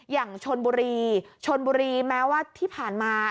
อย่างชนบุรีชนบุรีแม้ว่าที่ผ่านมา